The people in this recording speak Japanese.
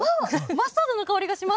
マスタードの香りがします。